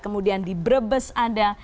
kemudian di brebes ada